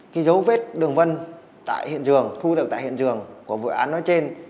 cái dấu vết đường vân thu thập tại hiện trường của vụ án nói trên